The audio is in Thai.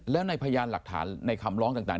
แล้วในพยานหลักฐานในคำร้องต่าง